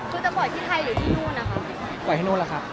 คือจะปล่อยที่ไทยหรือที่นู่นอะครับ